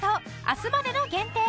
明日までの限定！